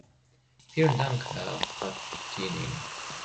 Vielen Dank, Herr Frattini!